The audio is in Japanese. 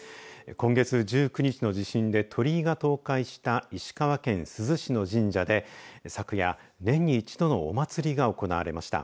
今月１９日の地震で鳥居が倒壊した石川県珠洲市の神社で、昨夜年に一度のお祭りが行われました。